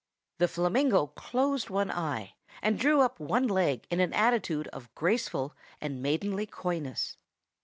The flamingo closed one eye, and drew up one leg in an attitude of graceful and maidenly coyness.